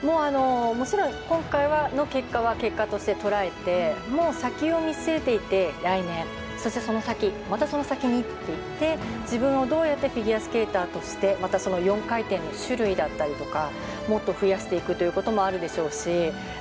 もちろん今回の結果は結果としてとらえて先を見据えていて来年そしてその先、またその先にって自分はどうやってフィギュアスケーターとしてまた４回転の種類だったりとかもっと増やしていくということもあるでしょうし